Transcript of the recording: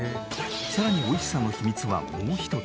さらに美味しさの秘密はもう一つ。